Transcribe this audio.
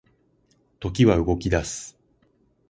時は動き出す